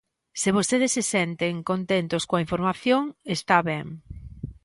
Se vostedes se senten contentos coa información, está ben.